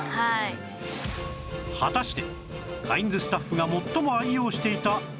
果たして